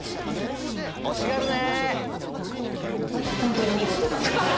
欲しがるね！